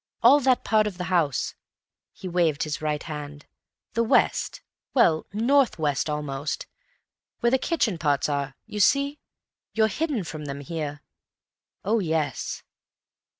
All that part of the house—" he waved his right hand—"the west, well, north west almost, where the kitchen parts are—you see, you're hidden from them here. Oh, yes!